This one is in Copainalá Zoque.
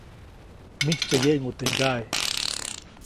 ‒Mijtsye yeʼŋu teʼ ŋgaʼe-.